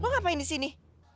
lu ngapain di sini